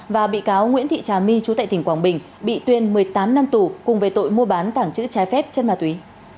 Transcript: và bị cáo nguyễn thị trà my chú tại tỉnh quảng bình bị tuyên một mươi tám năm tù cùng về tội mua bán tảng chữ trái phép chân ma túy